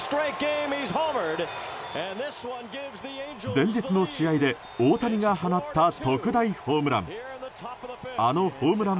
前日の試合で大谷が放った特大ホームラン。